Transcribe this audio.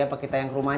apa kita yang ke rumah